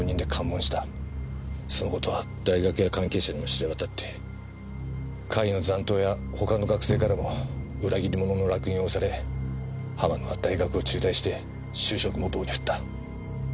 その事は大学や関係者にも知れ渡って会の残党や他の学生からも裏切り者の烙印を押され浜野は大学を中退して就職も棒に振った。